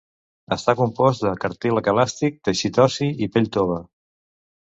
Està compost de cartílag elàstic, teixit ossi i pell tova.